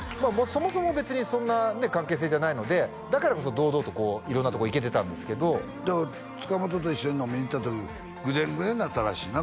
そもそも別にそんなね関係性じゃないのでだからこそ堂々とこう色んなとこ行けてたんですけどでも塚本と一緒に飲みに行った時グデングデンになったらしいな